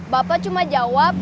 bapak cuma jawab